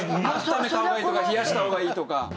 温めた方がいいとか冷やした方がいいとか。